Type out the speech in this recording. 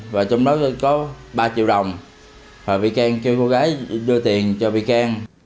và trong đó có ba triệu đồng rồi vị can kêu cô gái đưa tiền cho vị can